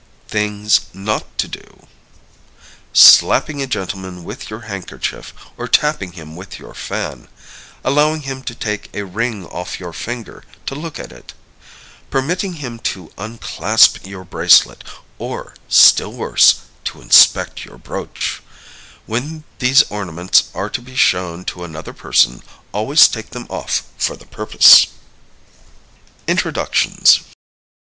Things Not to Do. Slapping a gentleman with your handkerchief, or tapping him with your fan. Allowing him to take a ring off your finger, to look at it. Permitting him to unclasp your bracelet, or, still worse, to inspect your brooch. When these ornaments are to be shown to another person always take them off for the purpose. Introductions.